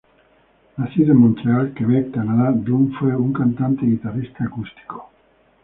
Nacido en Montreal, Quebec, Canadá, Dunn fue un cantante y guitarrista acústico.